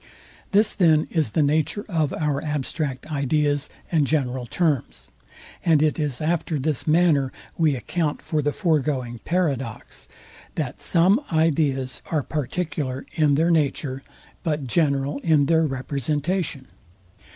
This then is the nature of our abstract ideas and general terms; and it is after this manner we account for the foregoing paradox, THAT SOME IDEAS ARE PARTICULAR IN THEIR NATURE, BUT GENERAL IN THEIR REPRESENTATION.